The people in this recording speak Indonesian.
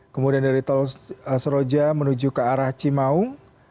kemudian dari tol seroja menuju ke arah cimaung